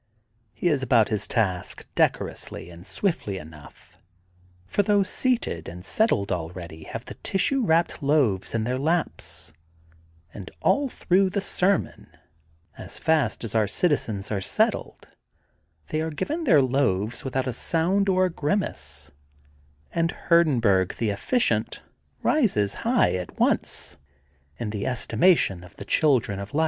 He is about his task decorously and swiftly enough, for those seated and set tled already have the tissue wrapped loaves in their laps, and all through the sermon, as fast as our citizens are settled, they are given their loaves without a sound or a grimace, and Hurdenburg, the efficient, rises high at once in the estimation of the children of light.